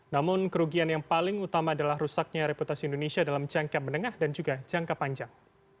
namun kerugian yang paling utama adalah rusaknya reputasi indonesia dalam jangka menengah dan juga jangka panjang